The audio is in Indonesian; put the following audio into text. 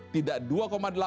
tidak dua delapan mm